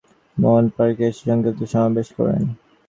সেখান থেকে তাঁরা নগরের ভুবন মোহন পার্কে এসে সংক্ষিপ্ত সমাবেশ করেন।